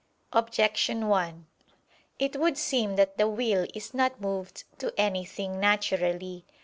Objection 1: It would seem that the will is not moved to anything naturally.